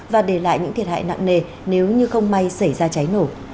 và để lại những thiệt hại nặng nề nếu như không may xảy ra cháy nổ